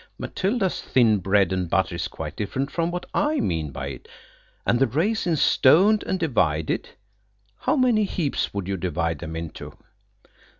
Matilda's thin bread and butter is quite different from what I mean by it–'and the raisins stoned and divided.' How many heaps would you divide them into?"